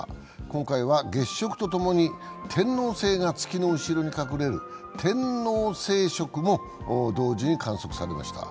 今回は月食と共に天王星が月の後ろに隠れる天王星食も同時に観測されました。